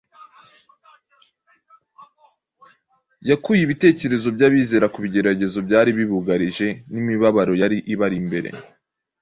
yakuye ibitekerezo by’abizera ku bigeragezo byari bibugarije n’imibabaro yari ibari imbere,